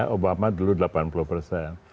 obama dulu delapan puluh persen